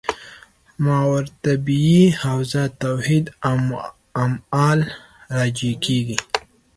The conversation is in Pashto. ماورا الطبیعي حوزه توحید اعمال راجع کېږي.